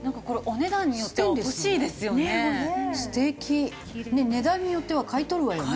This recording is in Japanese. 値段によっては買い取るわよね。